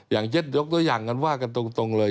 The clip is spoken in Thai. เย็ดยกตัวอย่างงั้นว่ากันตรงเลย